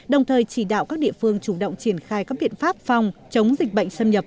đồng thời chỉ đạo các địa phương chủ động triển khai các biện pháp phòng chống dịch bệnh xâm nhập